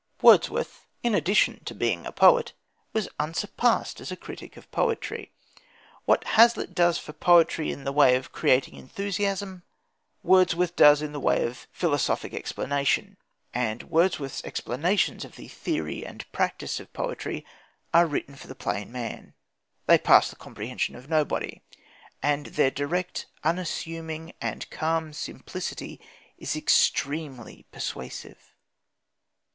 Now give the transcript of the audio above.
Wordsworth, in addition to being a poet, was unsurpassed as a critic of poetry. What Hazlitt does for poetry in the way of creating enthusiasm Wordsworth does in the way of philosophic explanation. And Wordsworth's explanations of the theory and practice of poetry are written for the plain man. They pass the comprehension of nobody, and their direct, unassuming, and calm simplicity is extremely persuasive.